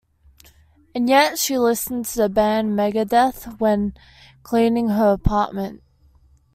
And yet she listens to the band Megadeth when cleaning her apartment.